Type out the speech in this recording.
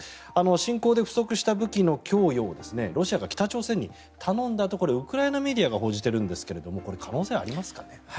侵攻で不足した武器の供与をロシアが北朝鮮に頼んだとウクライナメディアが報じているんですがこれ可能性ありますかね。